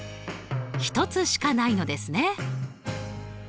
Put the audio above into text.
１つしかないのですね。